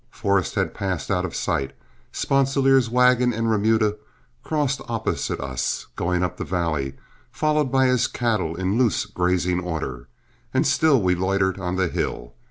Forrest had passed out of sight, Sponsilier's wagon and remuda crossed opposite us, going up the valley, followed by his cattle in loose grazing order, and still we loitered on the hill.